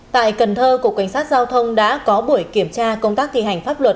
tại cần thơ cục cảnh sát giao thông đã có buổi kiểm tra công tác thi hành pháp luật